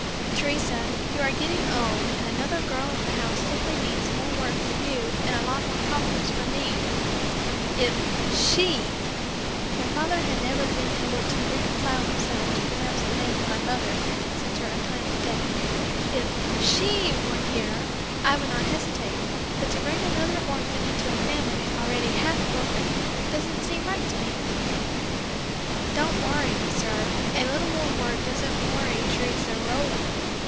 "Teresa, you are getting old, and another girl in the house simply means more work for you and a lot more problems for me. If 'she' (my father had never been able to reconcile himself to pronounce the name of my mother since her untimely death) if 'she' were here I would not hesitate, but to bring another orphan into a family already half orphaned doesn't seem right to me." "Don't worry, sir, a little more work doesn't worry Teresa Rouland.